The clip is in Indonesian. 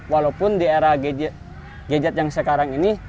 walaupun di era gadget yang sekarang ini